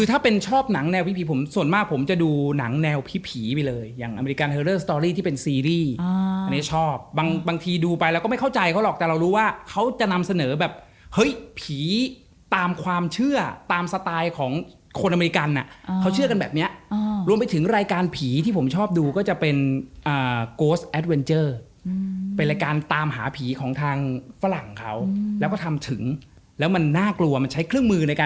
อาจจะอาศัยจังหวะอาจจะเกิดอะไรขึ้นที่เป็นอันตรายก็ได้